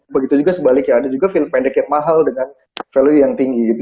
begitu juga sebaliknya ada juga feel pendek yang mahal dengan value yang tinggi gitu